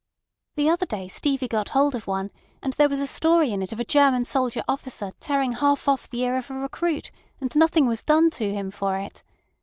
The other day Stevie got hold of one, and there was a story in it of a German soldier officer tearing half off the ear of a recruit, and nothing was done to him for it.